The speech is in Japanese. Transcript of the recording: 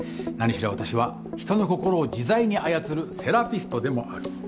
何しろ私は人の心を自在に操るセラピストでもある。